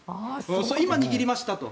今、握りましたと。